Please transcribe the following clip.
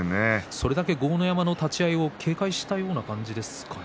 それだけ豪ノ山の立ち合いを警戒したということですかね。